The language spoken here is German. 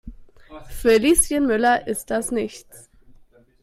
Für Lieschen Müller ist das nichts.